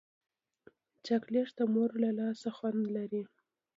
چاکلېټ د مور له لاسه خوند لري.